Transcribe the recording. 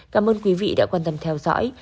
cảm ơn quý vị đã quan tâm theo dõi